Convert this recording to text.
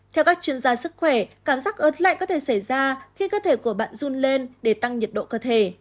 theo các chuyên gia sức khỏe cảm giác ớt lạnh có thể xảy ra khi cơ thể của bạn run lên để tăng nhiệt độ cơ thể